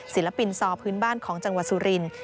ศิลปินซอพื้นบ้านของจังหวัดสุรินทร์